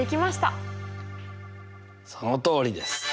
そのとおりです。